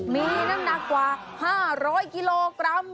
มีน้ำหนักกว่า๕๐๐กิโลกรัม